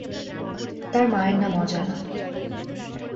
তার মায়ের নাম অজানা।